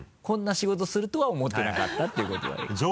こんな仕事するとは思ってなかったっていうことだけ。